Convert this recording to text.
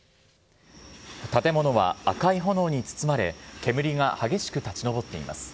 建物は赤い炎に包まれ、煙が激しく立ち上っています。